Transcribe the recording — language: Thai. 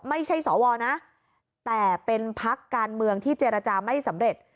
ไม่ใช่สวนะแต่เป็นพักการเมืองที่เจรจาไม่สำเร็จ